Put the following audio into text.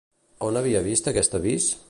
A on havia vist aquest l'avís?